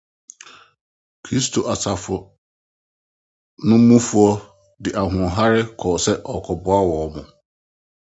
Kristofo asafo no mufo de ahoɔhare kɔɔ hɔ sɛ wɔrekɔboa wɔn.